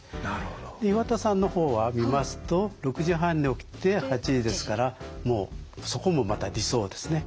で岩田さんの方は見ますと６時半に起きて８時ですからもうそこもまた理想ですね。